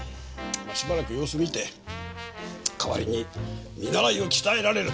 しばらく様子見て代わりに見習いを鍛えられると！